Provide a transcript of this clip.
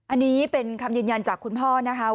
อันนี้เป็นคำยืนยันจากคุณพ่อนะคะ